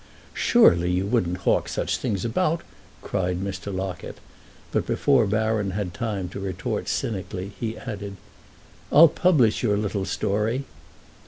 "Surely you wouldn't hawk such things about?" cried Mr. Locket; but before Baron had time to retort cynically he added: "I'll publish your little story."